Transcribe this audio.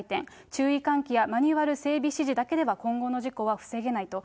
注意喚起やマニュアル整備指示だけでは今後の事故は防げないと。